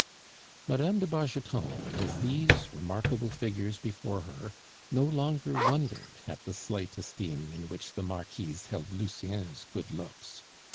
Mme. de Bargeton, with these remarkable figures before her, no longer wondered at the slight esteem in which the Marquise held Lucien's good looks.